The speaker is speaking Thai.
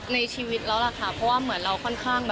ชีวิตแล้วล่ะค่ะเพราะว่าเหมือนเราค่อนข้าง